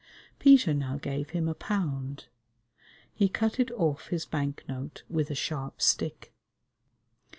Peter now gave him a pound. He cut it off his bank note with a sharp stick.